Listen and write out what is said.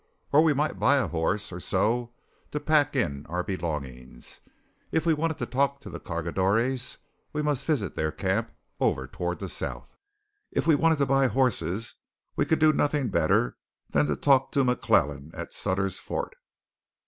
Or we might buy a horse or so to pack in our belongings. If we wanted to talk to the cargadores we must visit their camp over toward the south; if we wanted to buy horses we could do nothing better than to talk to McClellan, at Sutter's Fort.